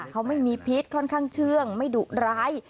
เขาไม่มีพิษค่อนข้างเชื่องไม่ดุร้าย